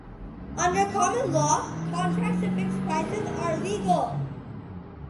Under common law, contracts to fix prices are legal.